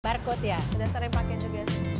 barcode ya udah sering pake juga sih